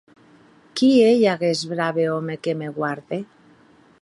Qui ei aguest brave òme que me guarde?